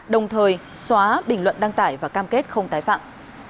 đồng thời xóa bình luận đăng tải và cam kết không tái phạm